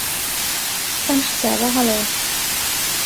ئەم حیسابە هەڵەیە.